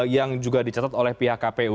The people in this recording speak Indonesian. yang juga dicatat oleh pihak kpu